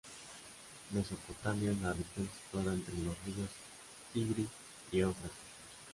Mesopotamia es la región situada entre los ríos Tigris y Éufrates.